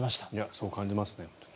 そう感じますね。